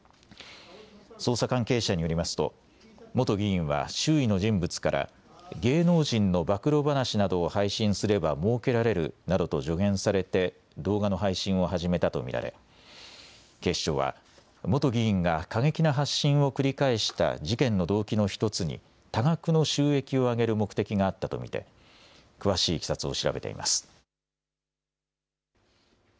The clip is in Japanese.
捜査関係者によりますと、元議員は周囲の人物から、芸能人の暴露話などを配信すればもうけられるなどと助言されて、動画の配信を始めたと見られ、警視庁は、元議員が過激な発信を繰り返した事件の動機の１つに、多額の収益を上げる目的があったと見て、詳しいいきさつを調べています。